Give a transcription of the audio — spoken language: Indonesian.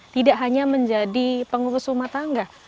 tidak hanya menjadi pengurus rumah tangga